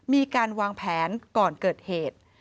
มีการวางแผนก่อนเกิดเหตุ